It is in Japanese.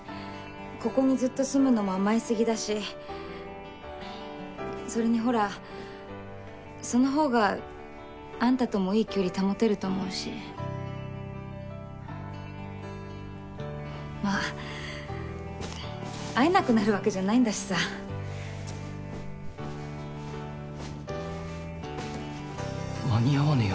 ここにずっと住むのも甘えすぎだしそれにほらそのほうがあんたともいい距離保てると思うしまあ会えなくなるわけじゃないんだしさ間に合わねえよ